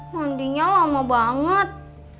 mandinya lama banget